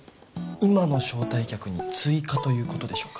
今の招待客に追加ということでしょうか？